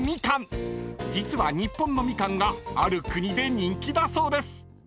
［実は日本のみかんがある国で人気だそうです］